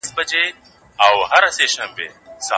تاسو باید غوښه د ماسپښین په وخت کې د ښه هضم لپاره وخورئ.